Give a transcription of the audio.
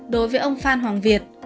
đối với ông phan hoàng việt